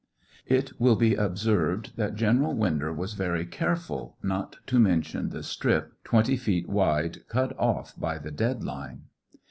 It will be observed that General Winder was very careful not to mention the strip 20 feet wide cut off by the dead line.